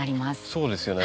そうですよね。